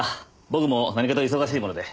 僕も何かと忙しいもので。